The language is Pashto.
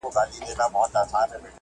د زړه نه په شدت سره